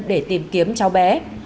để tìm kiếm cháu bé